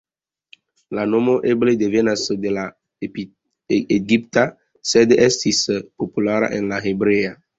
La nomo eble devenas de la egipta, sed estis populara en la hebrea.